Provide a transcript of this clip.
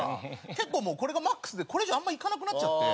結構もうこれがマックスでこれ以上あんまりいかなくなっちゃって。